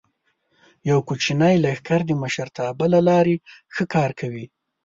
یو کوچنی لښکر د مشرتابه له لارې ښه کار کوي.